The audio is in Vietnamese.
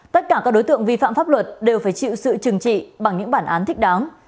tất cả các đối tượng vi phạm pháp luật đều phải chịu sự trừng trị bằng những bản án thích đáng